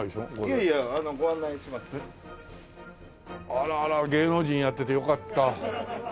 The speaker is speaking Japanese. あらあら芸能人やっててよかった。